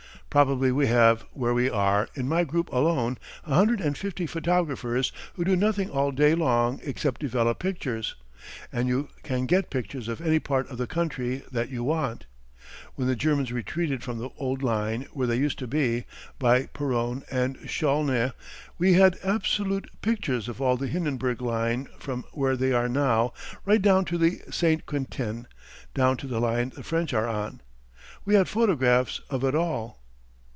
Probably we have, where we are, in my group alone, a hundred and fifty photographers who do nothing all day long except develop pictures, and you can get pictures of any part of the country that you want. When the Germans retreated from the old line where they used to be, by Peronne and Chaulnes, we had absolute pictures of all the Hindenburg line from where they are now right down to St. Quentin, down to the line the French are on. We had photographs of it all.